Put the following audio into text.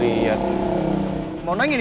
sekarang gue mau liat